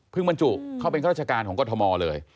เพิ่งบรรจุเขาเป็นเข้าราชการของก็อทมเลย